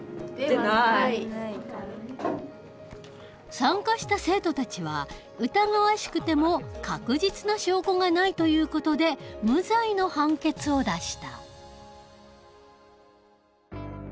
参加した生徒たちは疑わしくても確実な証拠がないという事で無罪の判決を出した。